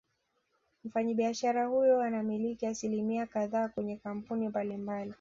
Mfanyabiashara huyo anamiliki asilimia kadhaa kwenye kampuni mbali mbali